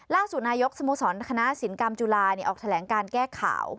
ล่าสุดนายกสโมสรคณะศิลปกรรมจุฬาออกแถลงการแก้ข่าว